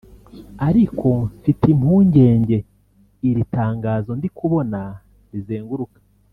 Ariko mfite impungenge iri tangazo ndi kubona rizenguruka